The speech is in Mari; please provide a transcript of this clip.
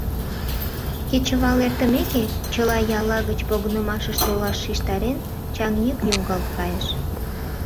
Кечывал эртымеке, чыла ялла гыч погынымашыш толаш шижтарен, чаҥ йӱк йоҥгалт кайыш.